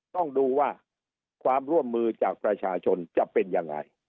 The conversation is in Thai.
ต้องดูว่าความร่วมมือจากประชาชนจะเป็นยังไง